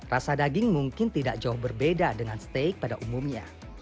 rasa daging mungkin tidak jauh berbeda dengan steak pada umumnya